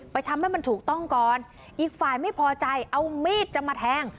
ทำให้มันถูกต้องก่อนอีกฝ่ายไม่พอใจเอามีดจะมาแทง